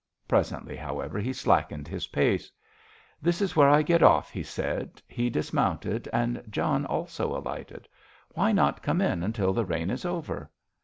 Presently, however, he slackened his pace. "This is where I get off," he said. He dismounted, and John also alighted. "Why not come in until the rain is over?"